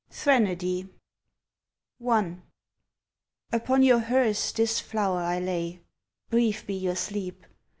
THRENODY I Upon your hearse this flower I lay. Brief be your sleep!